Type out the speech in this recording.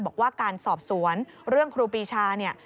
บอกว่าการสอบสวนเรื่องครูปีชาเนี่ย